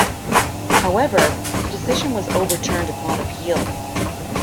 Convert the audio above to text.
However, the decision was overturned upon appeal.